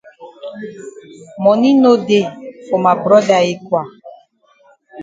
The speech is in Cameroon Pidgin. Moni no dey for ma broda yi kwa.